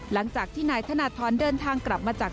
หลังจากที่นายธนทรเดินทางกลับมาจาก